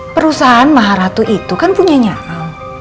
perusahaan maharatu itu kan punya nyata